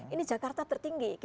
ini jakarta tertinggi